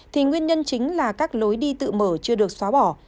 thì nguyên nhân chính là các lối đi tự mở chưa được xóa bỏ